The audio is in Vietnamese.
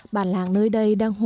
bàn làng nơi đây đã được giải phóng